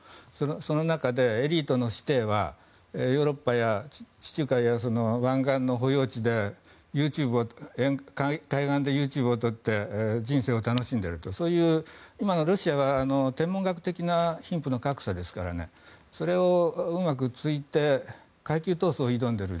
その中でエリートの子弟はヨーロッパや地中海や湾岸の保有地で海岸でＹｏｕＴｕｂｅを撮って人生を楽しんでいると今のロシアは天文学的な貧富の格差ですからそれをうまく突いて階級闘争に挑んでいる。